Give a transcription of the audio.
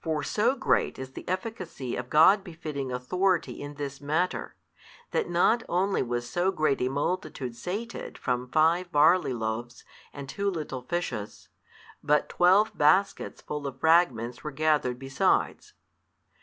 For so great is the efficacy of God befitting Authority in this matter, that not only was so great a multitude sated from five barley loaves and two little fishes, but twelve baskets full of fragments were gathered besides.